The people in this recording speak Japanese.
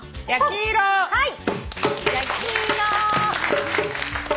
はい。